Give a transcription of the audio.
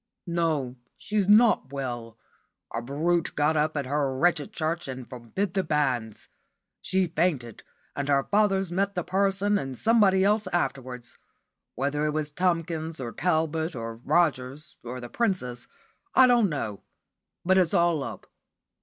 "No, she's not well. A brute got up at her wretched church and forbid the banns. She fainted, and her father met the person and somebody else afterwards. Whether it was Tomkins, or Talbot, or Rogers, or the Princess, I don't know. But it's all up.